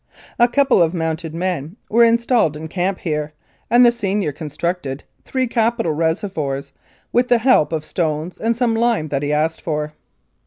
A couple of mounted men were installed in camp here, and the senior constructed three capital reservoirs with the help of stones and some lime that he asked for.